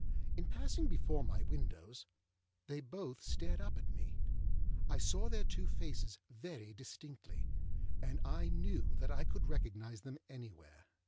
In passing before my windows, they both stared up at me. I saw their two faces very distinctly, and I knew that I could recognise them anywhere.